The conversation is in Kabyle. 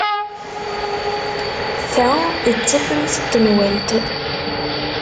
Ta d tafrut n tenwalt.